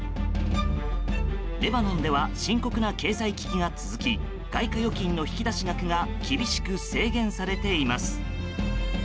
レバノンでは深刻な経済危機が続き外貨預金の引き出し額が厳しく制限されています。